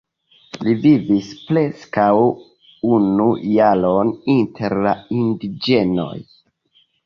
Li vivis preskaŭ unu jaron inter la indiĝenoj.